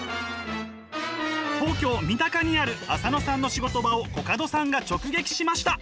東京・三鷹にある浅野さんの仕事場をコカドさんが直撃しました！